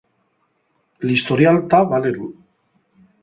L'historial ta baleru.